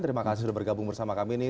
terima kasih sudah bergabung bersama kami ini